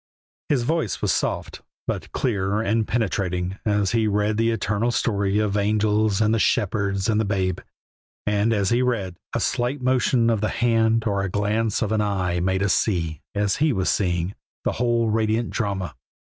His voice was soft, but clear and penetrating, as he read the eternal story of the angels and the shepherds and the Babe. And as he read, a slight motion of the hand or a glance of an eye made us see, as he was seeing, that whole radiant drama.